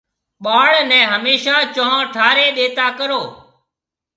ٻاݪ نَي هميشا چونه ٺاريَ ڏيتا ڪرون۔